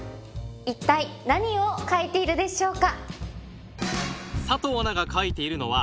一体何を描いているでしょうか。